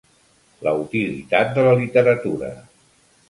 La utilitat de la literatura.